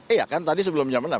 iya kan tadi sebelum jam enam